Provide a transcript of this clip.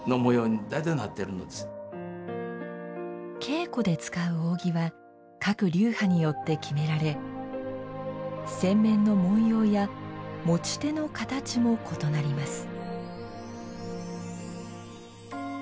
稽古で使う扇は各流派によって決められ扇面の文様や持ち手の形も異なります。